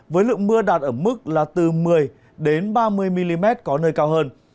với lượng mưa đạt ở mức là từ một mươi ba mươi mm có nơi cao hơn